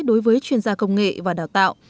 đối với chuyên gia công nghệ và đào tạo